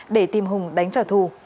để tìm hùng đánh trả thù